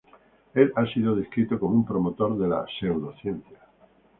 Él ha sido descrito como un promotor de la pseudociencia.